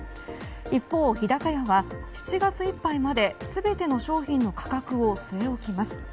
一方、日高屋は７月いっぱいまで全ての商品の価格を据え置きます。